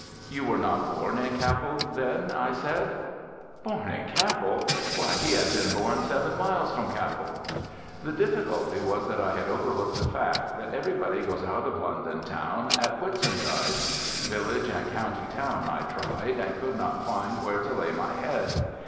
"You were not born in Capel, then?" I said. Born in Capel! Why, he had been born seven miles from Capel. The difficulty was that I had overlooked the fact that everybody goes out of London town at Whitsuntide. Village and county town I tried and I could not find where to lay my head.